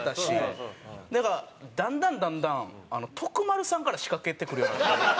なんかだんだんだんだん徳丸さんから仕掛けてくるようになって。